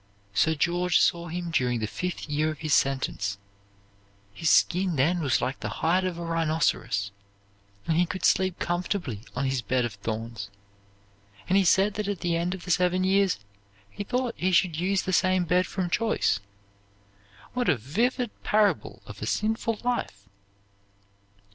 Sir George saw him during the fifth year of his sentence. His skin then was like the hide of a rhinoceros; and he could sleep comfortably on his bed of thorns, and he said that at the end of the seven years he thought he should use the same bed from choice. What a vivid parable of a sinful life!